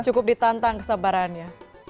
cukup ditantang kesabarannya